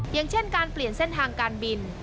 อย่างเช่นการเปลี่ยนเส้นทางการบิน